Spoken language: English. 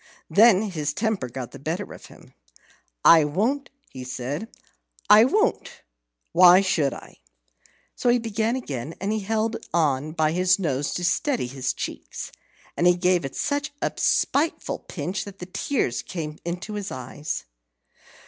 Then his temper got the better of him. "I won't," he said, "I won't; why should I?" So he began again. He held on by his nose to steady his cheeks, and he gave it such a spiteful pinch that the tears came into his eyes.